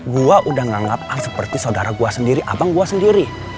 gua udah nganggap al seperti saudara gua sendiri abang gua sendiri